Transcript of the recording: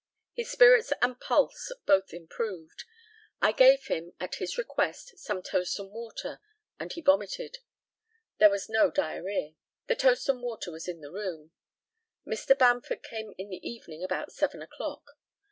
His spirits and pulse both improved. I gave him, at his request, some toast and water, and he vomited. There was no diarrhœa. The toast and water was in the room. Mr. Bamford came in the evening about seven o'clock.